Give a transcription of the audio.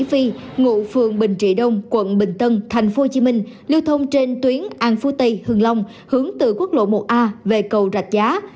chị vy ngụ phường bình trị đông quận bình tân thành phố hồ chí minh lưu thông trên tuyến an phú tây hương long hướng từ quốc lộ một a về cầu rạch giá